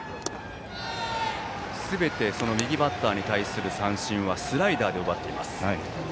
すべて右バッターに対する三振はスライダーで奪っています。